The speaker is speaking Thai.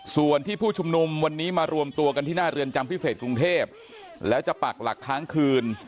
ส่วนที่ผู้ชุมนุมวันนี้มารวมตัวกันที่หน้าเรือนจำพิเศษกรุงเทพแล้วจะปักหลักค้างคืน